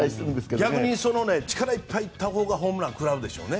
逆に力いっぱい行ったほうがホームラン食らうでしょうね。